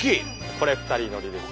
これ２人乗りです。